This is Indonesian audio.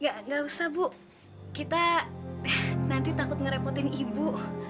gak usah bu kita nanti takut ngerepotin ibu